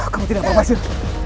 kamu tidak apa apa sir